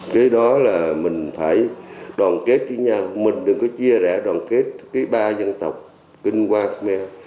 cái đó là mình phải đoàn kết với nhau mình đừng có chia rẽ đoàn kết ba dân tộc kinh hoa khmer